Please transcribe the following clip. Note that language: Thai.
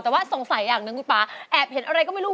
แต่ว่าสงสัยอย่างหนึ่งคุณป่าแอบเห็นอะไรก็ไม่รู้